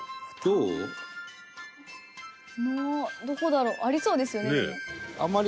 どこだろう？ありそうですよねでも。